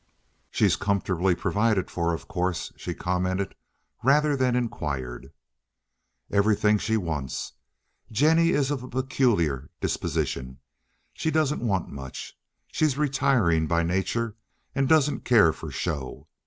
"She's comfortably provided for, of course," she commented rather than inquired. "Everything she wants. Jennie is of a peculiar disposition. She doesn't want much. She's retiring by nature and doesn't care for show.